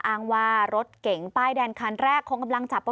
อ้างว่ารถเก๋งป้ายแดงคันแรกคงกำลังจับ